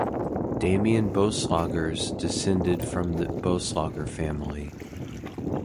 Damian Boeselager is descended from the Boeselager family.